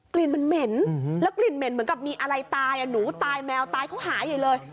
ลิ่นมันเหม็นแล้วกลิ่นเหม็นเหมือนกับมีอะไรตายหนูตายแมวตายเขาหาใหญ่เลย